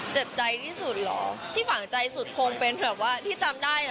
เจ็บใจที่สุดเหรอที่ฝังใจสุดคงเป็นแบบว่าที่จำได้อ่ะ